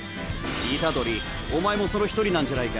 虎杖お前もその一人なんじゃないか？